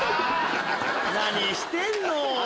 何してんの？